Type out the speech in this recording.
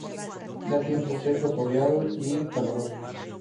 Da tiempo seco, soleado y caluroso.